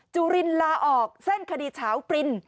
จุลินลาออกเส้นคดีเฉาปริน